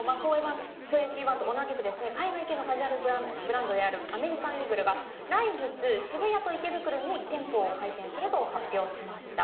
２１と同じく海外系のカジュアルブランドであるアメリカンイーグルが来月、渋谷と池袋に店舗を開店すると発表しました。